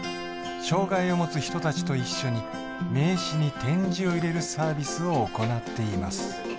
障がいを持つ人たちと一緒に名刺に点字を入れるサービスを行っています